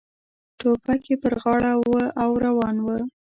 ټوپک یې پر غاړه و او روان و.